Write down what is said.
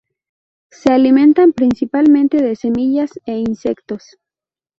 Se alimentan principalmente de semillas e insectos.